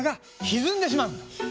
ひずんでしまう。